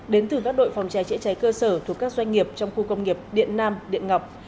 đến từ các đội phòng cháy chữa cháy cơ sở thuộc các doanh nghiệp trong khu công nghiệp điện nam điện ngọc